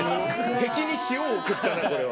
敵に塩を送ったなこれは。